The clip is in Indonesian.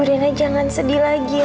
bu rena jangan sedih lagi ya bu